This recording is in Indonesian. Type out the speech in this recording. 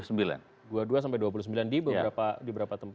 dua puluh dua sampai dua puluh sembilan di beberapa tempat